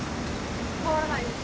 変わらないです。